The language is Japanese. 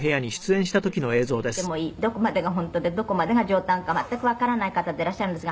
「また本当に喜劇王と言ってもいいどこまでが本当でどこまでが冗談か全くわからない方でいらっしゃるんですが」